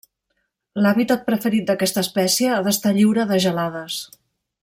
L'hàbitat preferit d'aquesta espècie ha d'estar lliure de gelades.